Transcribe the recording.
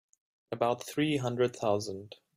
About three hundred thousand.